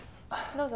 どうぞ。